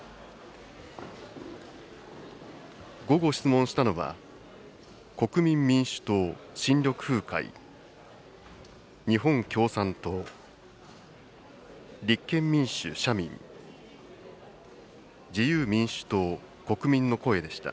午後質問したのは、国民民主党・新緑風会、日本共産党、立憲民主・社民、自由民主党・国民の声でした。